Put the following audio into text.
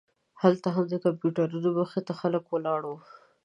هلته هم د کمپیوټرونو مخې ته خلک ولاړ وو.